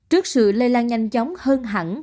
trước sự lây lan nhanh chóng hơn hẳn